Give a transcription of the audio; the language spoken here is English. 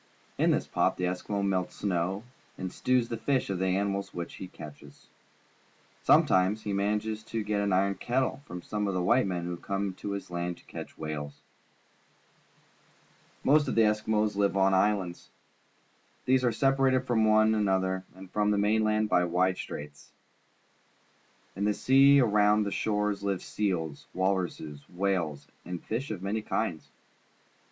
In this pot the Eskimo melts snow and stews the flesh of the animals which he catches. Sometimes he manages to get an iron kettle from some of the white men who come to his land to catch whales. Most of the Eskimos live on islands. These are separated from one another and from the mainland by wide straits. In the sea around their shores live seals, walruses, whales, and fish of many kinds.